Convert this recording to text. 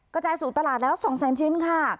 กระจายสู่ตลาดแล้ว๒แสนชิ้นค่ะ